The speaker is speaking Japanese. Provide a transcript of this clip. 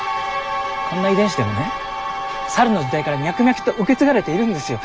こんな遺伝子でもねサルの時代から脈々と受け継がれているんですよ。